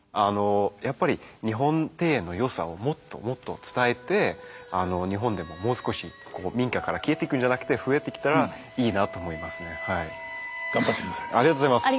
やっぱり日本庭園のよさをもっともっと伝えて日本でももう少しこう民家から消えていくんじゃなくて増えてきたらいいなと思いますね。